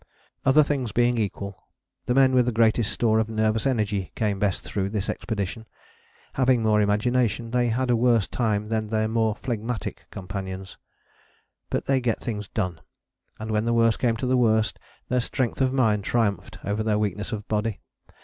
Other things being equal, the men with the greatest store of nervous energy came best through this expedition. Having more imagination, they have a worse time than their more phlegmatic companions; but they get things done. And when the worst came to the worst, their strength of mind triumphed over their weakness of body.